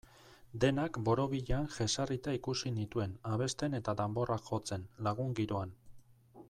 Denak borobilean jesarrita ikusi nituen, abesten eta danborrak jotzen, lagun-giroan.